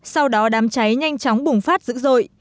sau đó đám cháy nhanh chóng bùng phát dữ dội